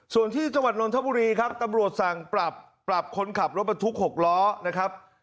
ส่วนที่จังหวัดนนทบุรีครับตำรวจสั่งปรับปรับคนขับรถบรรทุก๖ล้อนะครับ